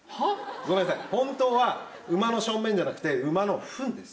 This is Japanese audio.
ごめんなさい、本当は馬の小便じゃなくて、馬のふんです。